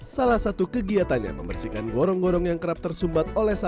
salah satu kegiatannya membersihkan gorong gorong yang kerap tersumbat oleh sampah